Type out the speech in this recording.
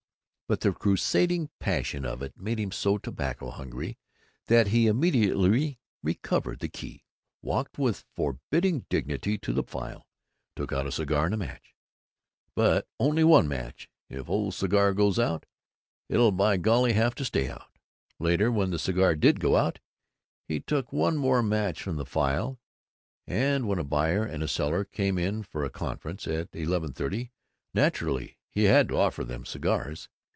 But the crusading passion of it made him so tobacco hungry that he immediately recovered the key, walked with forbidding dignity to the file, took out a cigar and a match "but only one match; if ole cigar goes out, it'll by golly have to stay out!" Later, when the cigar did go out, he took one more match from the file, and when a buyer and a seller came in for a conference at eleven thirty, naturally he had to offer them cigars.